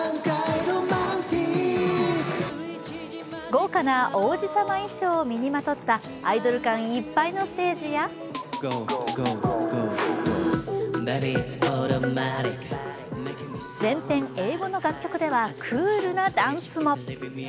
豪華な王子様衣装を身にまとったアイドル感いっぱいのステージや全編英語の楽曲では、クールなダンスも。